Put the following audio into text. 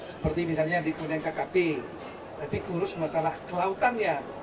seperti misalnya di kkp tapi mengurus masalah kelautan ya